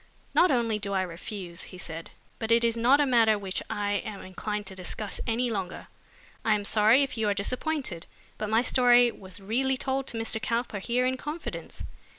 "Not only do I refuse," he said, "but it is not a matter which I am inclined to discuss any longer. I am sorry if you are disappointed, but my story was really told to Mr. Cowper here in confidence."